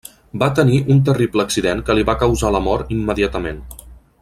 Va tenir un terrible accident que li va causar la mort immediatament.